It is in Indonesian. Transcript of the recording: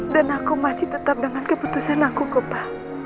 dan aku masih tetap dengan keputusan aku kok pa